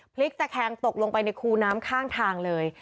พลิกตะแคงตกลงไปในคูน้ำข้างทางเลย